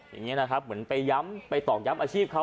อยากไปต่อกย้ำชีพเขาว่าเป็นกระเป๋าแบบนี้นะครับ